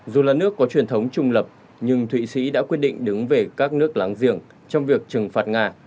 dù là nước có truyền thống trung lập nhưng thụy sĩ đã quyết định đứng về các nước láng giềng trong việc trừng phạt nga